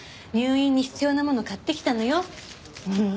入院に必要なもの買ってきたのよ。